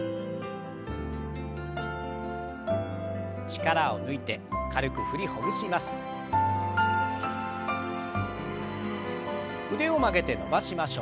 力を抜いて軽く振りほぐします。